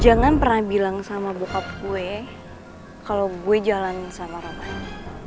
jangan pernah bilang sama bokap gue kalo gue jalan sama roman